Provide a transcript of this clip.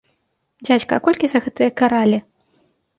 Дзядзька, а колькі за гэтыя каралі?